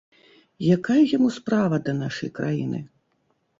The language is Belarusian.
Якая яму справа да нашай краіны?